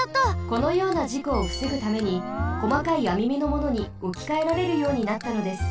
このようなじこをふせぐためにこまかいあみめのものにおきかえられるようになったのです。